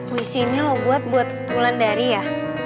wisi ini lo buat buat ulan dari ya